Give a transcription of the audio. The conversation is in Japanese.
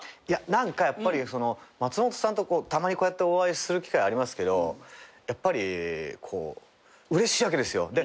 いや何かやっぱり松本さんとたまにこうやってお会いする機会ありますけどやっぱりうれしいわけですよ。